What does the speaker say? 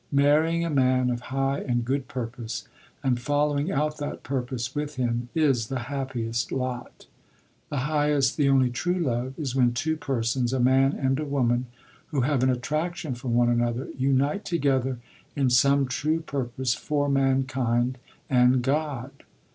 "Marrying a man of high and good purpose, and following out that purpose with him is the happiest" lot. "The highest, the only true love, is when two persons, a man and a woman, who have an attraction for one another, unite together in some true purpose for mankind and God."